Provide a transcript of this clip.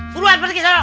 puluhan pergi ke sana